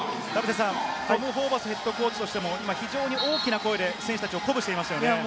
トム・ホーバスＨＣとしても非常に大きな声で選手たちを鼓舞していましたね。